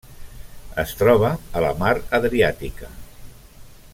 Es troba a la Mar Adriàtica.